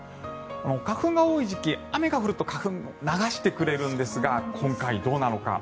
花粉が多い時期雨が降ると花粉を流してくれるんですが今回、どうなのか。